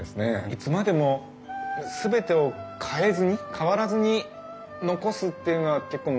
いつまでも全てを変えずに変わらずに残すっていうのは結構難しいと思うんですよね。